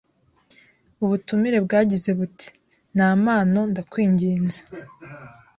Ubutumire bwagize buti: "Nta mpano, ndakwinginze."